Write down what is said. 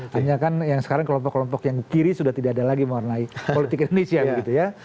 hanya kan yang sekarang kelompok kelompok yang kiri sudah tidak ada lagi mewarnai politik indonesia gitu ya